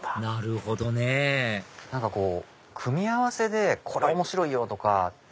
なるほどね何かこう組み合わせでこれ面白いよ！とか。